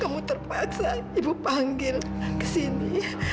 kamu terpaksa ibu panggil ke sini